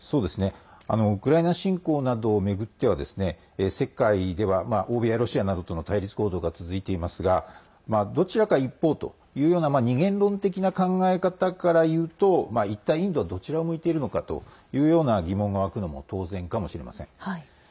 ウクライナ侵攻などを巡っては世界では、欧米やロシアなどとの対立構造が続いていますがどちらか一方というような二元論的な考え方からいうと一体、インドはどちらを向いているのかという疑問がわくのも当然かもしれません。